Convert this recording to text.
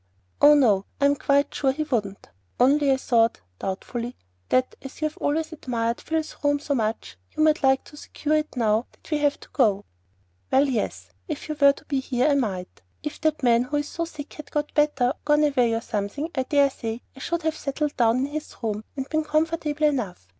"Oh, no; I'm quite sure he wouldn't. Only I thought," doubtfully, "that as you've always admired Phil's room so much, you might like to secure it now that we have to go." "Well, yes. If you were to be here, I might. If that man who's so sick had got better, or gone away, or something, I dare say I should have settled down in his room and been comfortable enough.